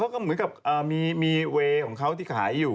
ก็เหมือนกับมีเวย์ของเขาที่ขายอยู่